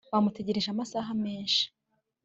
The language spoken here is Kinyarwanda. bamutegereje amasaha menshi